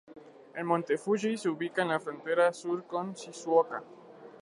El monte Fuji se ubica en la frontera sur con Shizuoka.